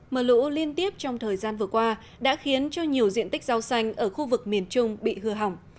mờ lũ liên tiếp trong thời gian vừa qua đã khiến cho nhiều diện tích rau xanh ở khu vực miền trung bị hư hỏng